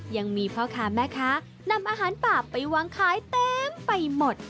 ยังมีพ่อค้าแม่ค้านำอาหารป่าไปวางขายเต็มไปหมด